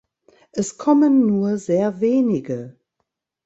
Es kommen nur sehr wenige.